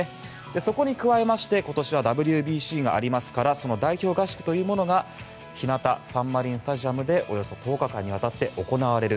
そこに加えて今年はＷＢＣがありますから代表合宿というものがひなたサンマリンスタジアムでおよそ１０日間にわたって行われる。